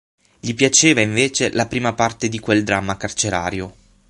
Gli piaceva invece la prima parte di quel dramma carcerario.